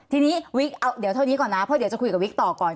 ทีนี้วิกเอาเดี๋ยวเท่านี้ก่อนนะเพราะเดี๋ยวจะคุยกับวิกต่อก่อน